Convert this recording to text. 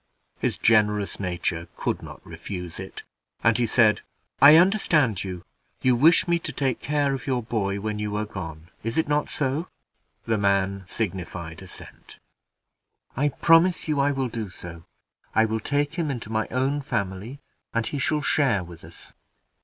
His generous nature could not refuse it, and he said, "I understand you; you wish me to take care of your boy when you are gone. Is it not so?" The man signified assent. "I promise you I will do so. I will take him into my own family, and he shall share with us."